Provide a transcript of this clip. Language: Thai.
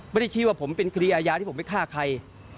ไม่ได้ชี้ว่าผมเป็นครีอายาที่ผมไปฆ่าใคร